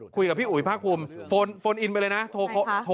คุยกับพี่อุ๋ยพระคุมโฟนอินไปเลยนะโทรไปเลย